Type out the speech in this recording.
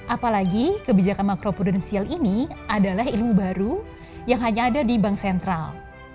apalagi kebijakan makro prudensial ini adalah ilmu baru yang hanya ada di bank sentral